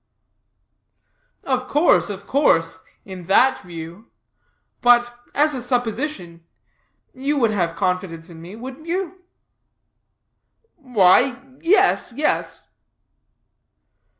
"Of course, of course in that view. But, as a supposition you would have confidence in me, wouldn't you?" "Why yes, yes."